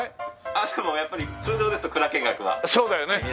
あっでもやっぱり通常ですと蔵見学は。そうだよね。